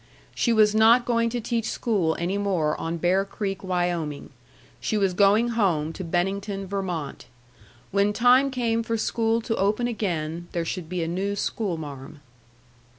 She was not going to teach school any more on Bear Creek, Wyoming; she was going home to Bennington, Vermont. When time came for school to open again, there should be a new schoolmarm.